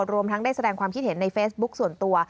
รวมทั้งได้แสดงความคิดเห็นในเฟซบุ๊คส่วนตัว